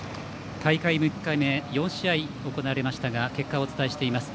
大会６日目４試合行われましたが結果をお伝えしています。